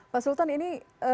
pak sultan ini